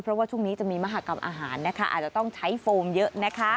เพราะว่าช่วงนี้จะมีมหากรรมอาหารนะคะอาจจะต้องใช้โฟมเยอะนะคะ